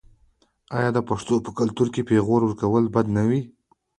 آیا د پښتنو په کلتور کې د پیغور ورکول بد نه دي؟